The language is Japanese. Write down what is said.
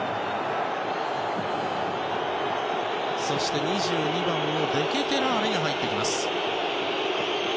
そして２２番デケテラーレが入ってきます。